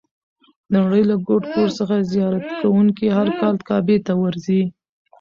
د نړۍ له ګوټ ګوټ څخه زیارت کوونکي هر کال کعبې ته ورځي.